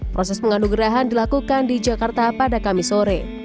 proses penganugerahan dilakukan di jakarta pada kamis sore